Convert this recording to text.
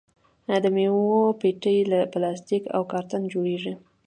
د میوو پیټۍ له پلاستیک او کارتن جوړیږي.